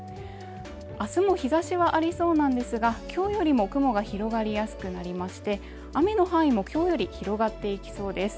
明日も日差しはありそうなんですが今日よりも雲が広がりやすくなりまして雨の範囲も今日より広がっていきそうです